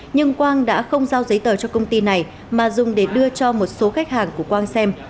nhưng quang đã không giao giấy tờ cho công ty này mà dùng để đưa cho một số khách hàng của quang xem